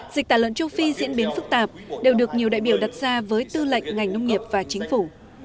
dịch tả lợn châu phi diễn biến phức tạp đều được nhiều đại biểu đặt ra với tư lệnh ngành nông nghiệp và chính phủ